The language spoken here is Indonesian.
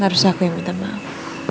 gak usah aku yang minta maaf